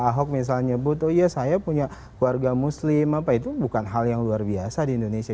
kalau pak ahok misalnya nyebut oh ya saya punya keluarga muslim itu bukan hal yang luar biasa di indonesia